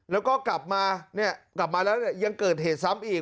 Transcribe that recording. แล้วก็กลับมาเนี่ยกลับมากลับมาแล้วยังเกิดเหตุซ้ำอีก